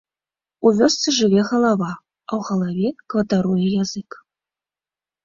У вёсцы жыве галава, а ў галаве кватаруе язык.